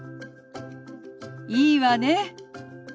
いいわね。